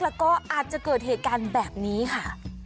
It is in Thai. แล้วก็อาจจะเกิดเหตุการณ์แบบนี้ค่ะ